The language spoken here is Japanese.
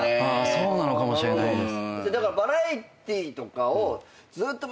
そうだったかもしれないです。